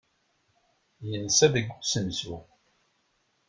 Yensa deg usensu.